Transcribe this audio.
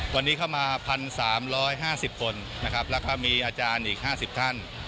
วันนี้เข้ามา๑๓๕๐คนนะครับแล้วก็มีอาจารย์อีก๕๐ท่าน